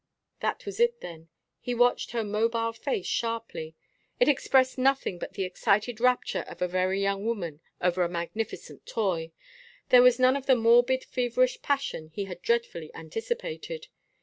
That was it then! He watched her mobile face sharply. It expressed nothing but the excited rapture of a very young woman over a magnificent toy. There was none of the morbid feverish passion he had dreadfully anticipated.